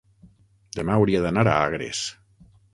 Demà hauria d'anar a Agres.